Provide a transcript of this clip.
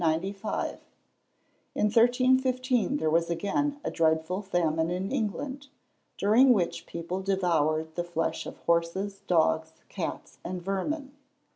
In 1315 there was again a dreadful famine in England, during which people devoured the flesh of horses, dogs, cats, and vermin!